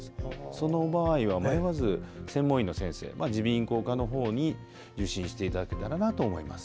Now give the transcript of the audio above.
その場合は迷わず専門医の先生耳鼻咽喉科の方に受診していただけたらなと思います。